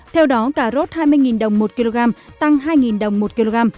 theo đó cà rốt hai mươi đồng một kg tăng hai đồng một kg